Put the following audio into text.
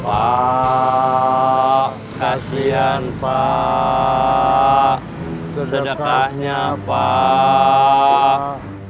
pak kasian pak sedekahnya pak